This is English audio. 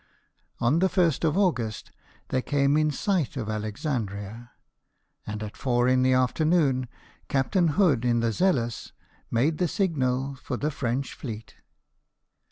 On the 1st of August they came in sight of Alexandria; and at four in the afternoon Captain Hood, in the Zealous, made the signal for the French fleet.